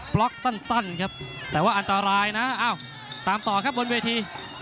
ล็อกสั้นครับแต่ว่าอันตรายนะอ้าวตามต่อครับบนเวที